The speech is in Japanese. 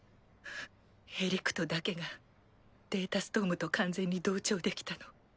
エリクトだけがデータストームと完全に同調できたの。